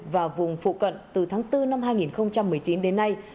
và vùng phụ cận từ tháng bốn năm hai nghìn một mươi chín đến nay